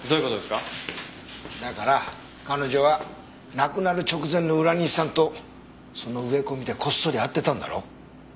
だから彼女は亡くなる直前の浦西さんとその植え込みでこっそり会ってたんだろ？